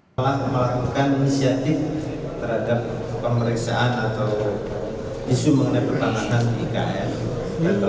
ketua ombudsman melakukan inisiatif terhadap pemeriksaan atau isu mengenai pertanahan ikn